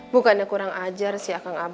bukannya kurang ajar si akang abah